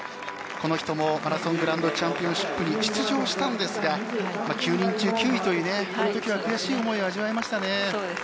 この人もマラソングランドチャンピオンシップに出場したんですが９人中９位というあの時は悔しい思いを味わいましたね。